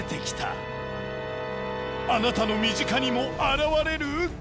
あなたの身近にも現れる！？